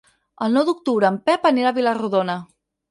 El nou d'octubre en Pep anirà a Vila-rodona.